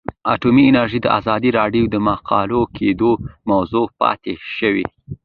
اټومي انرژي د ازادي راډیو د مقالو کلیدي موضوع پاتې شوی.